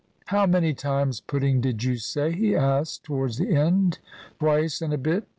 "How many times pudding did you say?" he asked towards the end, "Twice and a bit."